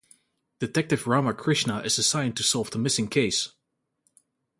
Detective Rama Krishna is assigned to solve the missing case.